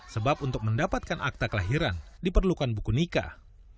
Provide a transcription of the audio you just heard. sebab untuk mendapatkan akta kelahiran diperlukan buku nikah